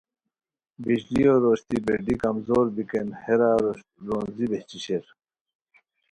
بشلیو روشتی بریڈی کمزور بیکین بیرارونجی بہچی شیر